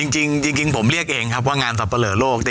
จริงผมเรียกเองครับว่างานสับปะเหลอโลก